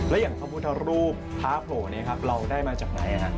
แล้วอย่างพระพุทธรูปพระโผล่เนี่ยครับเราได้มาจากไหนนะครับ